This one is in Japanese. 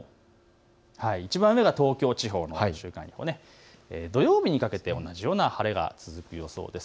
いちばん上の東京地方、土曜日にかけて同じような晴れが続きそうです。